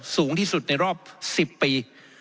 สูงที่สุดในรอบ๑๐ปี